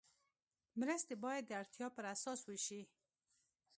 مرستې باید د اړتیا پر اساس وشي.